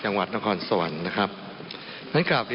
จังหวัดนครสวรรค์นะครับ